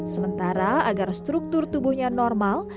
sementara agar struktur tubuhnya normal